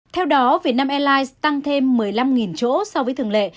theo đó vietnam airlines tăng thêm một mươi năm chỗ so với thường lệ